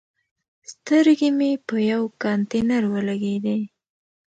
سترګې مې په یوه کانتینر ولګېدې.